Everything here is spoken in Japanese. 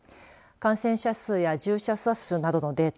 感染者数や重症者数などのデータ